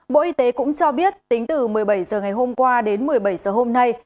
bộ y tế cũng cho biết tính từ một mươi bảy h ngày hôm qua đến một mươi bảy h hôm nay